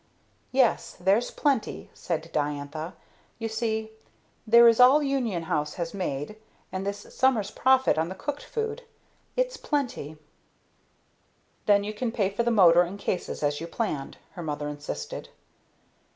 "Yes; there's plenty," said Diantha. "You see, there is all Union House has made, and this summer's profit on the cooked food it's plenty." "Then you can't pay for the motor and cases as you planned," her mother insisted.